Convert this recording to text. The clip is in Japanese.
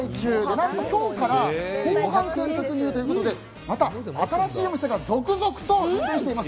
何と今日から後半戦突入ということでまた、新しいお店が続々と出店しています。